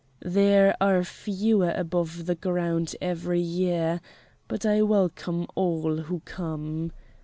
There are fewer above ground every year but I welcome all who come.